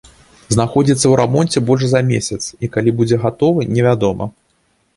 Знаходзіцца ў рамонце больш за месяц, і калі будзе гатовы, не вядома.